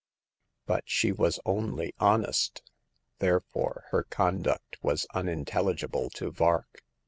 " But she was only honest ; therefore her con duct was unintelligible to Vark.